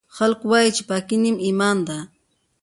خلکوایي چې پاکۍ نیم ایمان ده